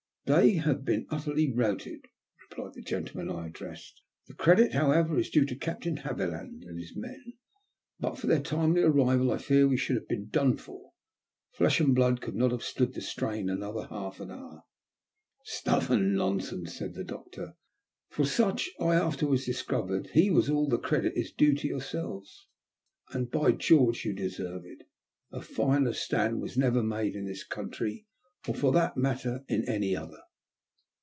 '' They have been utterly routed," replied the gentle man I addressed. "The credit, however, is due to Captain Haviland and his men ; but for their timely arrival I fear we should have been done for. Flesh and blood could not have stood the strain another half hour." " Stuff and nonsense," said the doctor, for such I afterwards discovered he was, " all the credit is due THE END. 389 to yourselves ; and, by Qeorge, you deserve it. A finer stand was never made in this country, or for that matter in any other."